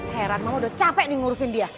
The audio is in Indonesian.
heran mama udah capek nih ngurusin dia